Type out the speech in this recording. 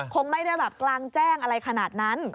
คงไม่ได้แบบกลางแจ้งอะไรขนาดนั้น